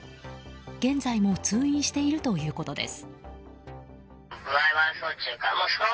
現在も通院しているということです。